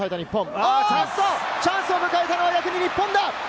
チャンスを迎えたのは日本だ！